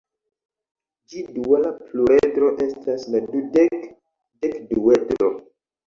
Ĝi duala pluredro estas la dudek-dekduedro.